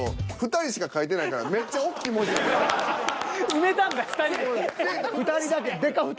埋めたんだ２人で。